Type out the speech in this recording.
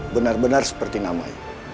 bener bener seperti nama aku